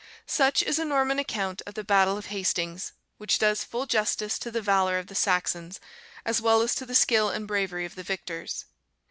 Such is a Norman account of the battle of Hastings, which does full justice to the valour of the Saxons, as well as to the skill and bravery of the victors.